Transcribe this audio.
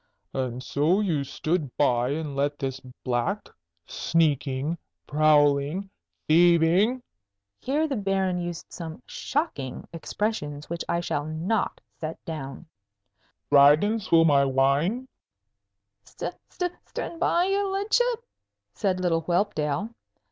"And so you stood by and let this black, sneaking, prowling, thieving" (here the Baron used some shocking expressions which I shall not set down) "Dragon swill my wine?" "St st stood by, your ludship?" said little Whelpdale.